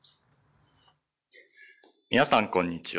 ・皆さんこんにちは。